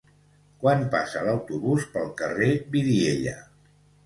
Quan passa l'autobús pel carrer Vidiella?